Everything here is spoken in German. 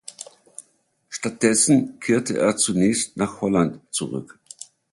Stattdessen kehrte er zunächst nach Holland zurück.